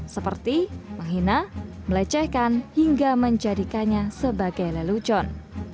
seperti menghina melecehkan hingga menjadikannya sebagai lelucon